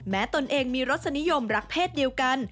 ตนเองมีรสนิยมรักเพศเดียวกัน